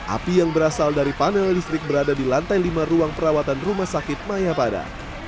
api yang berasal dari panel listrik berada di lantai lima ruang perawatan rumah sakit mayapada